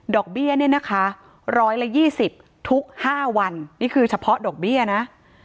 เบี้ยเนี่ยนะคะ๑๒๐ทุก๕วันนี่คือเฉพาะดอกเบี้ยนะ